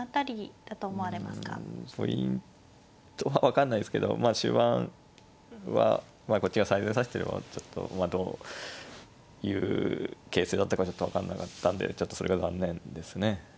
ポイントは分かんないですけどまあ終盤はこっちが最善指してればちょっとどういう形勢だったかちょっと分かんなかったんでちょっとそれが残念ですね。